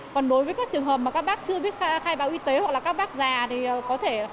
còn đối với các trường hợp mà các bác chưa biết khai báo y tế hoặc là các bác già thì có thể